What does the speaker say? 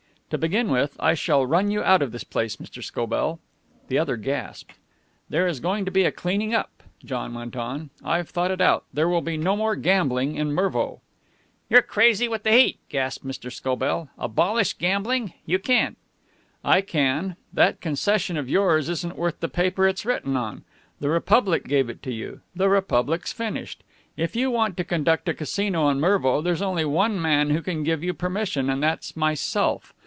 "To begin with, I shall run you out of this place, Mr. Scobell." The other gasped. "There is going to be a cleaning up," John went on. "I've thought it out. There will be no more gambling in Mervo." "You're crazy with the heat!" gasped Mr. Scobell. "Abolish gambling? You can't." "I can. That concession of yours isn't worth the paper it's written on. The Republic gave it to you. The Republic's finished. If you want to conduct a Casino in Mervo, there's only one man who can give you permission, and that's myself.